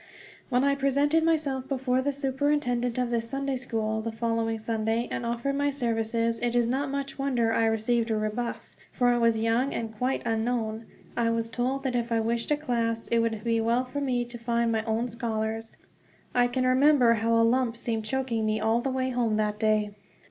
When I presented myself before the superintendent of this Sunday school the following Sunday, and offered my services, it is not much wonder I received a rebuff, for I was young and quite unknown. I was told that if I wished a class, it would be well for me to find my own scholars. I can remember how a lump seemed choking me all the way home that day.